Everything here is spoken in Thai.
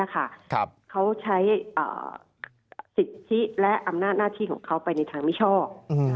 เขาใช้สิทธิและอำนาจหน้าที่ของเขาไปในทางมิชอบ